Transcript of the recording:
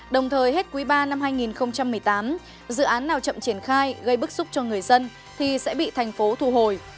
đồng thời hết quý ba năm hai nghìn một mươi tám dự án nào chậm triển khai gây bức xúc cho người dân thì sẽ bị thành phố thu hồi